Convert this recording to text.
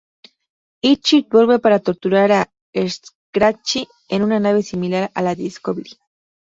Itchy vuelve para torturar a Scratchy en una nave similar a la "Discovery".